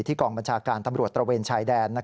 กองบัญชาการตำรวจตระเวนชายแดน